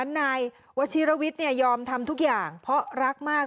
นายวชิรวิทย์ยอมทำทุกอย่างเพราะรักมาก